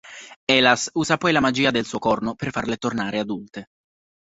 Elas usa poi la magia del suo corno per farle tornare adulte.